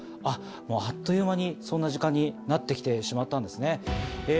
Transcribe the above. あっあっという間にそんな時間になって来てしまったんですね。